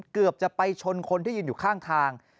เกือบจะไปชนคนที่ยืนอยู่ข้างทาง